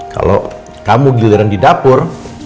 kalau kamu giliran di dapur